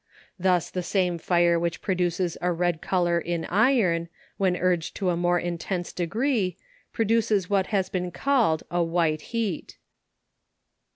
Thus the same fire which produces a red colour in iron, when urged to a more intense degree, produces what has been called a white heat.